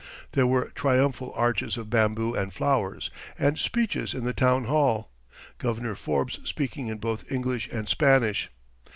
There were triumphal arches of bamboo and flowers, and speeches in the town hall, Governor Forbes speaking in both English and Spanish.